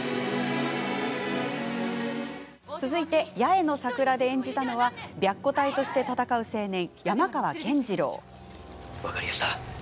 続いて「八重の桜」で演じたのは白虎隊として戦う青年山川健次郎。